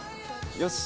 よし！